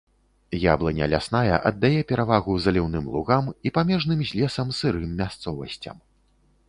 Яблыня лясная аддае перавагу заліўным лугам і памежным з лесам сырым мясцовасцям.